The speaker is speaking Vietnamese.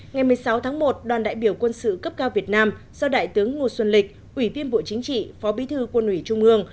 ngày một mươi sáu tháng một đoàn đại biểu quân sự cấp cao việt nam do đại tướng ngô xuân lịch ủy viên bộ chính trị phó bí thư quân ủy trung ương